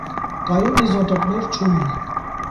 Կայուն իզոտոպներ չունի։